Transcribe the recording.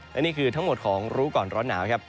และนี่คือทั้งหมดของรู้ก่อนร้อนหนาวครับ